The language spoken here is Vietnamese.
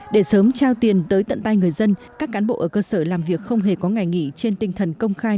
để sớm trao tiền tới tận tay người dân các cán bộ ở cơ sở làm việc không hề có ngày nghỉ trên tinh thần công khai